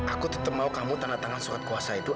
aku tetap mau kamu tanah tangan surat kuasa itu